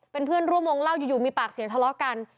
เป็นเพื่อนร่วมวงเล่าอยู่มีปากเสียงทะเลาะกัน